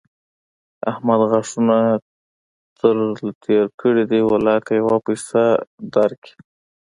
احمد غاښونه تر له تېر کړي دي؛ ولاکه يوه پيسه در کړي.